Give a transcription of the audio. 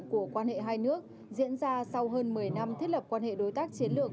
của quan hệ hai nước diễn ra sau hơn một mươi năm thiết lập quan hệ đối tác chiến lược